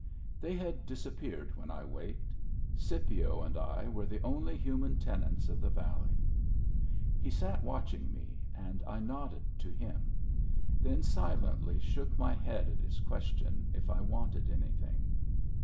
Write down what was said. They had disappeared when I waked; Scipio and I were the only human tenants of the valley. He sat watching me, and I nodded to him ; then silently shook my head at his question if I wanted anything.